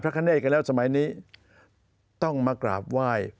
คเนธกันแล้วสมัยนี้ต้องมากราบไหว้